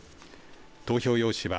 投票用紙は